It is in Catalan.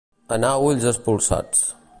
Anar ulls espolsats.